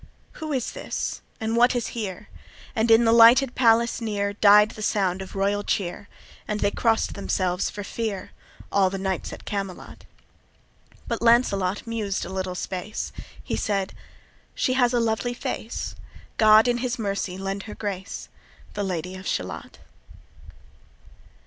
Who is this? and what is here? And in the lighted palace near Died the sound of royal cheer; And they cross'd themselves for fear, All the knights at Camelot: But Lancelot mused a little space; He said, "She has a lovely face; God in his mercy lend her grace, The Lady of Shalott."